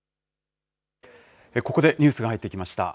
ここでニュースが入ってきました。